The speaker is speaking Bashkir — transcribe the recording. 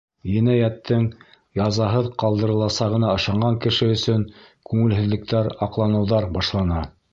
Енәйәттең язаһыҙ ҡалдырыласағына ышанған кеше өсөн күңелһеҙлектәр, аҡланыуҙар башлана.